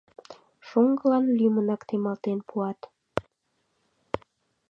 Шоҥгылан лӱмынак темалтен пуат.